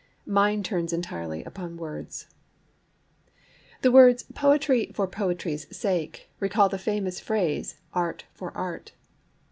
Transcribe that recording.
Mine turns entirely upon words. POETRY The words 'Poetry for poetry's sake' recall the famous phrase 'Art for Art.'